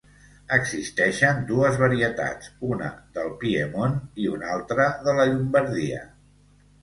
Existeixen dues varietats, una del Piemont i una altra de la Llombardia.